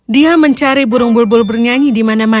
dia mencari burung bulbul bernyanyi di mana mana